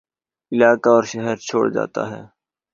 علاقہ اور شہرچھوڑ جاتا ہے